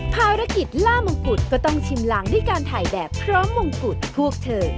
ถ้าอยากมาช่วยในการพูดจริง